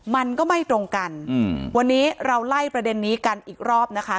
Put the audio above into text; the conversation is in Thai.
มันก็ไม่ตรงกันอืมวันนี้เราไล่ประเด็นนี้กันอีกรอบนะคะ